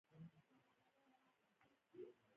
شاو خوا يې وکتل.